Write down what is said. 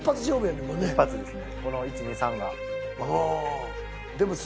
この１・２・３が。